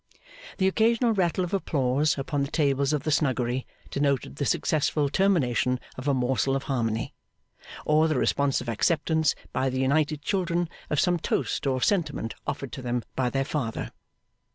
The occasional rattle of applause upon the tables of the Snuggery, denoted the successful termination of a morsel of Harmony; or the responsive acceptance, by the united children, of some toast or sentiment offered to them by their Father.